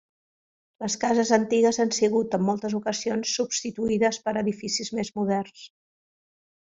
Les cases antigues han sigut en moltes ocasions substituïdes per edificis més moderns.